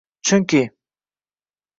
Chunki